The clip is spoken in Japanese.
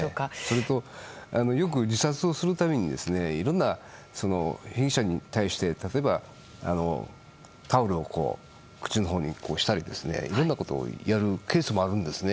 それと、よく自殺をするためにいろんな被疑者に対して例えば、タオルを口のほうにしたりとかいろいろなことをやるケースもあるんですね。